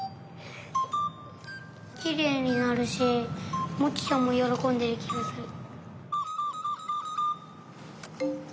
きれいになるしモチちゃんもよろんでるきがする。